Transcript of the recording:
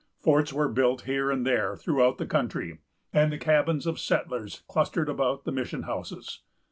Forts were built here and there throughout the country, and the cabins of settlers clustered about the mission houses.